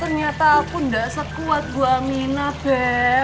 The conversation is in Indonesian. ternyata aku enggak sekuat gue amina babe